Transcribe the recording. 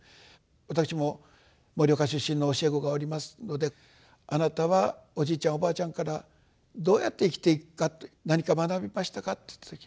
私も盛岡出身の教え子がおりますので「あなたはおじいちゃんおばあちゃんからどうやって生きていくか何か学びましたか？」と。